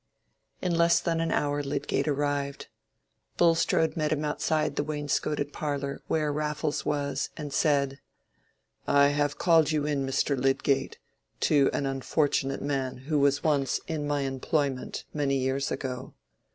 In less than an hour Lydgate arrived. Bulstrode met him outside the wainscoted parlor, where Raffles was, and said— "I have called you in, Mr. Lydgate, to an unfortunate man who was once in my employment, many years ago.